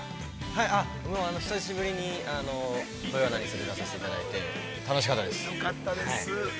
◆はい、もう久しぶりに、「土曜はナニする！？」出させていただいて楽しかったです。